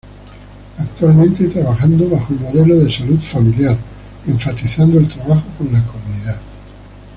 Actualmente trabajando bajo el Modelo de Salud Familiar, enfatizando el trabajo con la comunidad.